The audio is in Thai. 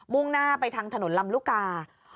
่งหน้าไปทางถนนลำลูกกา